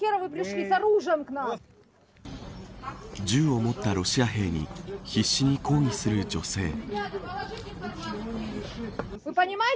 銃を持ったロシア兵に必死に抗議する女性。